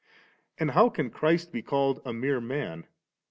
And how can Christ be called a mere man